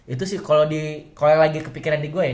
itu sih kalau yang lagi kepikiran di gue ya